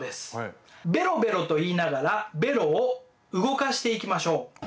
「ベロベロ」と言いながらベロを動かしていきましょう。